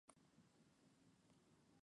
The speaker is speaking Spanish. La altura siempre es perpendicular a la base.